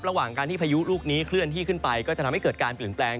ระหว่างการที่พายุลูกนี้เคลื่อนที่ขึ้นไปก็จะทำให้เกิดการเปลี่ยนแปลง